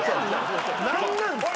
何なんすか？